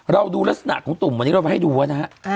เราดูลักษณะของตุ่มวันนี้เรามาให้ดูนะครับ